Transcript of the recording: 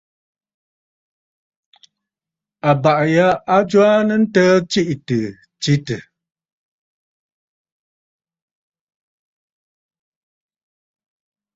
Àbàʼà ya a jwaanə ntəə tsiʼì tɨ̀ stsetə̀.